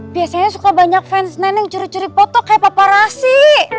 biasanya suka banyak fans nenek yang curi curi foto kayak paparasi